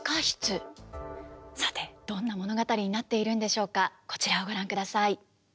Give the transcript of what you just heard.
さてどんな物語になっているんでしょうかこちらをご覧ください。